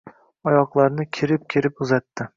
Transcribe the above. Oyoqlarini kerib-kerib uzatdi.